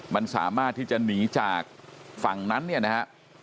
มันสามารถที่จะหนีจากฝั่งนั้นเนี่ยนะฮะ